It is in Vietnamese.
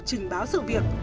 trình báo sự việc